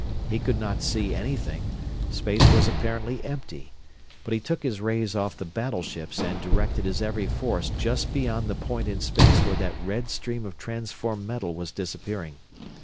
He could not see anything space was apparently empty but he took his rays off the battleships and directed his every force just beyond the point in space where that red stream of transformed metal was disappearing.